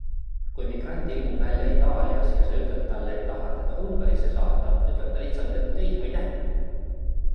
Kui migrant ilmub välja Itaalias ja sa ütled talle, et tahad teda Ungarisse saata, ütleb ta lihtsalt, et ei, aitäh.